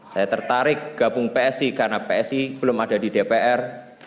saya tertarik gabung psi karena psi belum ada di dpr